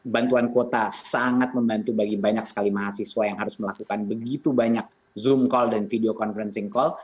bantuan kuota sangat membantu bagi banyak sekali mahasiswa yang harus melakukan begitu banyak zoom call dan video conferensi call